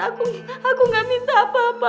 kamu gak perlu khawatir aku gak minta apa apa